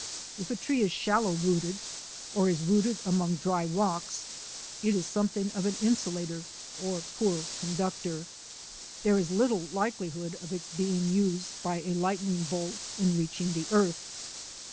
If a tree is shallow rooted, or is rooted among dry rocks, it is something of an insulator, or poor conductor. There is little likelihood of its being used by a lightning bolt in reaching the earth.